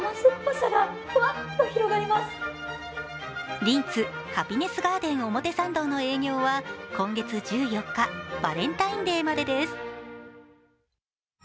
リンツハピネスガーデン表参道の営業は今月１４日バレンタインデーまでです。